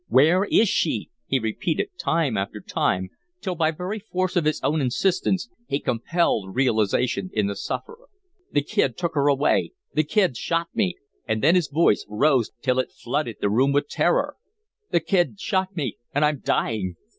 "Where is she?" he repeated, time after time, till by very force of his own insistence he compelled realization in the sufferer. "The Kid took her away. The Kid shot me," and then his voice rose till it flooded the room with terror. "The Kid shot me and I'm dying."